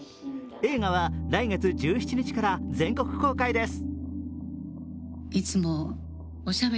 映画は来月１７日から全国公開です。